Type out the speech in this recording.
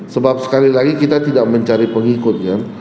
sebab sekali lagi kita tidak mencari pengikut ya